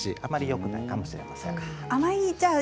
よくないかもしれません。